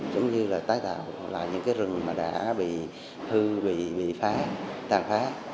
giống như là tái tạo lại những cái rừng mà đã bị hư bị phá tàn phá